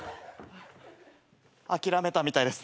諦めたみたいです。